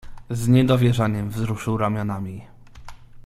"Z niedowierzaniem wzruszył ramionami."